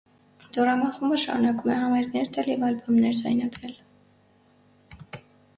Տորամա խումբը շարունակում է համերգներ տալ և ալբոմներ ձայնագրել։